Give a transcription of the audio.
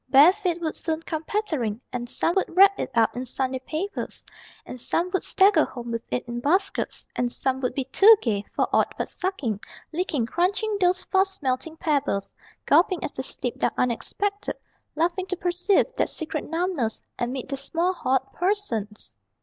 Bare feet would soon come pattering, And some would wrap it up in Sunday papers, And some would stagger home with it in baskets, And some would be too gay for aught but sucking, Licking, crunching those fast melting pebbles, Gulping as they slipped down unexpected Laughing to perceive that secret numbness Amid their small hot persons!